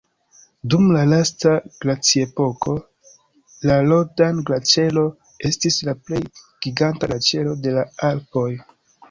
Dum la lasta glaciepoko la Rodan-Glaĉero estis la plej giganta glaĉero de la Alpoj.